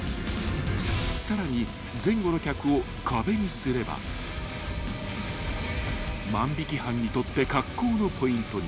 さらに前後の客を壁にすれば万引犯にとって格好のポイントに］